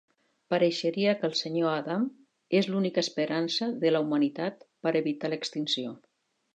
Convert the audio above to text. Pareixeria que el Sr. Adam és l'única esperança de la humanitat per evitar l'extinció.